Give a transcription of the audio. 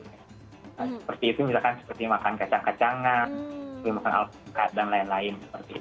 seperti itu misalkan seperti makan kacang kacangan seperti makan alpukat dan lain lain